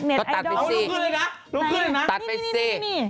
ก็ตัดไปสิตัดไปสิ